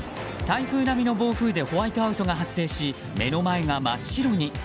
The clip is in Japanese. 台風並みの暴風でホワイトアウトが発生し目の前が真っ白に。